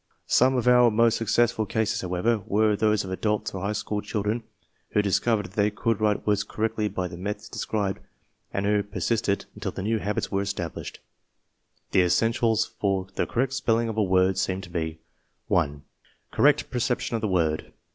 Some of our most suc cessful cases, however, were those of adults or high school children who discovered that they could write words correctly by the methods described and who per sisted until the new habits were established. The essentials for the correct spelling of a word seem to be: 1. Correct 'perception of the word.